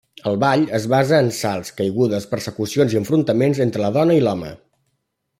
El ball es basa en salts, caigudes, persecucions i enfrontaments entre la dona i l'home.